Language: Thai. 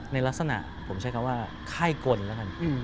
ในลักษณะผมใช้คำว่าไข้กลนะครับ